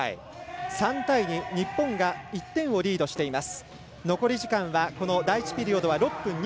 ３対２、日本が１点をリードしています。